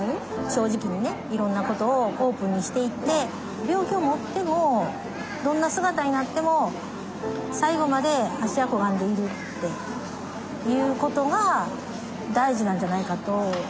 正直にねいろんな事をオープンにしていって病気を持ってもどんな姿になっても最後まで芦屋小雁でいるっていう事が大事なんじゃないかと。